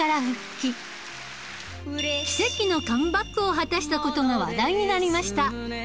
奇跡のカムバックを果たした事が話題になりました